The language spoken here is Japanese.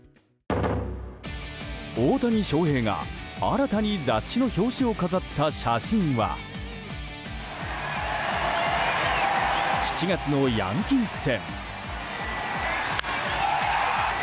大谷翔平が新たに雑誌の表紙を飾った写真は７月のヤンキース戦。